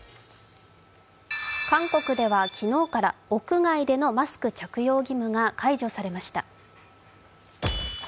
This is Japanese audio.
韓国では昨日から屋外でのマスク着用義務が解除されました。